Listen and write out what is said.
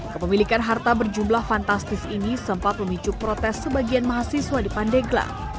kepemilikan harta berjumlah fantastis ini sempat memicu protes sebagian mahasiswa di pandeglang